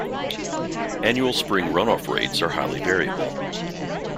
Annual spring run-off rates are highly variable.